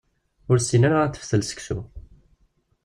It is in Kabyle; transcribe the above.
Ur tessin ara ad teftel seksu.